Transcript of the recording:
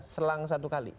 selang satu kali